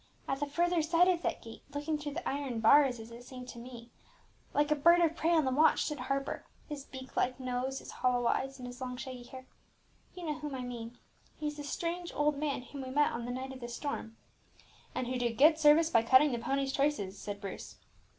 At the further side of that gate, looking through the iron bars, as it seemed to me like a bird of prey on the watch, stood Harper, with his beak like nose, his hollow eyes, and his long shaggy hair. You know whom I mean, he is the strange old man whom we met on the night of the storm." "And who did good service by cutting the pony's traces," said Bruce.